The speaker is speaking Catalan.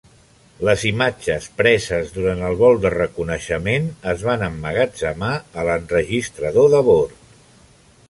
Les imatges preses durant el vol de reconeixement es van emmagatzemar a l'enregistrador de bord.